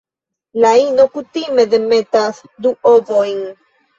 La ino kutime demetas du ovojn.